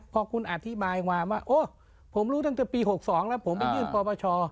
พอคุณอธิบายความว่าโอ้ผมรู้ตั้งแต่ปี๖๒แล้วผมไปยื่นปปช